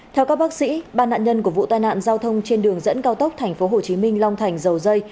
theo các bác sĩ ba nạn nhân của vụ tai nạn giao thông trên đường dẫn cao tốc tp hcm long thành dầu dây